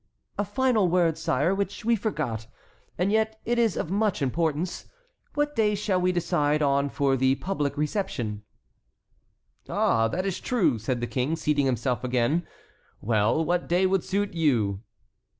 "A final word, sire, which we forgot, and yet it is of much importance: what day shall we decide on for the public reception?" "Ah, that is true," said the King, seating himself again. "Well, what day would suit you?"